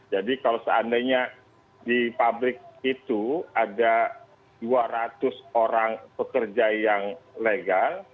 jadi kalau seandainya di pabrik itu ada dua ratus orang pekerja yang legal